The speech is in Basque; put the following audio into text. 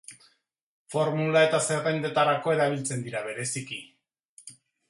Formula eta zerrendetarako erabiltzen dira bereziki.